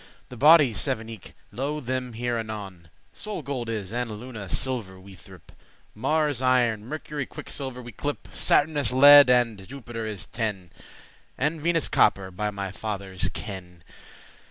The bodies sev'n eke, lo them here anon. Sol gold is, and Luna silver we threpe* *name <9> Mars iron, Mercury quicksilver we clepe;* *call Saturnus lead, and Jupiter is tin, And Venus copper, by my father's kin.